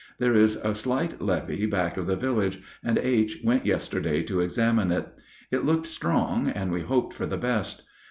There is a slight levee back of the village, and H. went yesterday to examine it. It looked strong, and we hoped for the best.